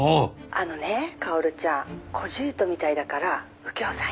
「あのね薫ちゃん」「小じゅうとみたいだから右京さん